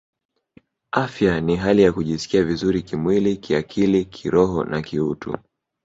Afya ni hali ya kujisikia vizuri kimwili kiakili kiroho na kiutu